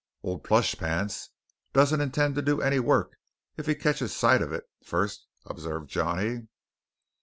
"Old Plush Pants doesn't intend to do any work if he catches sight of it first," observed Johnny.